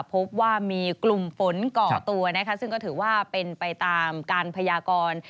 พบว่ามีกลุ่มฝนก่อตัวนะคะซึ่งก็ถือว่าเป็นไปตามการพยากร